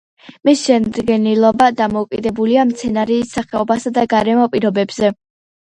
მისი შედგენილობა დამოკიდებულია მცენარის სახეობასა და გარემო პირობებზე.